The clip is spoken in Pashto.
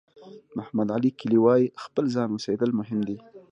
محمد علي کلي وایي خپل ځان اوسېدل مهم دي.